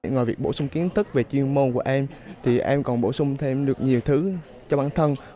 ngoài việc bổ sung kiến thức về chuyên môn của em thì em còn bổ sung thêm được nhiều thứ cho bản thân